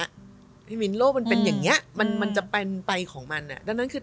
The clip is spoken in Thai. ขาดเราไปเขาก็ทำต่อได้